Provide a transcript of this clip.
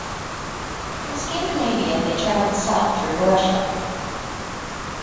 From Scandinavia they travelled south through Russia.